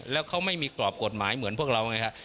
แล้วเขาไม่มีกรอบกฎหมายเหมือนพวกเราไงฮะ